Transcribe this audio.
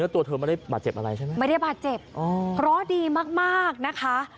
ตัวเธอไม่ได้บาดเจ็บอะไรใช่ไหมไม่ได้บาดเจ็บอ๋อดีมากมากนะคะ